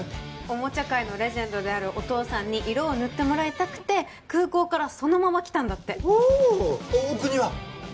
おもちゃ界のレジェンドであるお父さんに色を塗ってもらいたくて空港からそのまま来たんだっておうお国は？